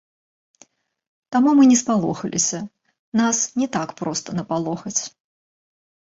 Таму, мы не спалохаліся, нас не так проста напалохаць.